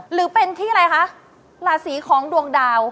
หรือเป็นที่อะไรคะราศีของดวงดาว